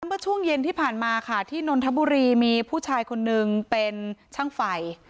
เมื่อช่วงเย็นที่ผ่านมาค่ะที่นนทบุรีมีผู้ชายคนนึงเป็นช่างไฟ